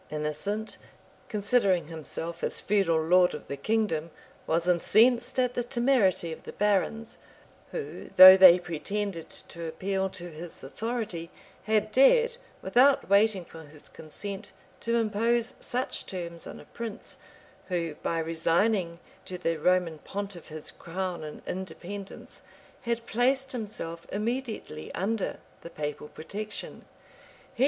Innocent, considering himself as feudal lord of the kingdom, was incensed at the temerity of the barons, who, though they pretended to appeal to his authority, had dared, without waiting for his consent, to impose such terms on a prince, who, by resigning to the Roman pontiff his crown and independence, had placed himself immediately under the papal protection.